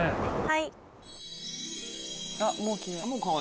はい。